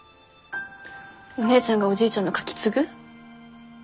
お姉ちゃんがおじいちゃんのカキ継ぐ？